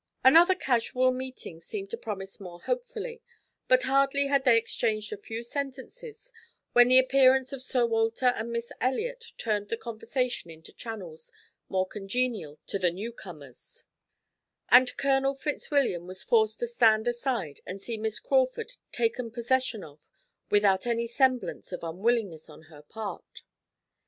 Another casual meeting seemed to promise more hopefully, but hardly had they exchanged a few sentences when the appearance of Sir Walter and Miss Elliot turned the conversation into channels more congenial to the new comers, and Colonel Fitzwilliam was forced to stand aside and see Miss Crawford taken possession of without any semblance of unwillingness on her part.